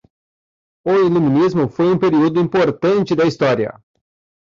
O iluminismo foi um período importante da história